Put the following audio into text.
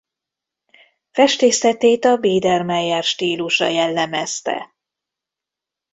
Festészetét a biedermeier stílusa jellemezte.